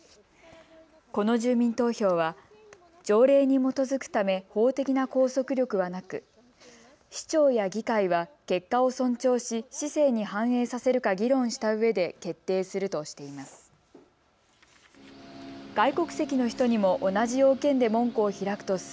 この住民投票は条例に基づくため法的な拘束力はなく市長や議会は結果を尊重し市政に反映させるか議論したうえで決定するとしています。